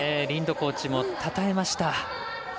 リンドコーチもたたえました。